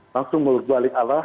langsung berbalik ala